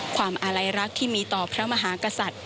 ความอาลัยรักที่มีต่อพระมหากษัตริย์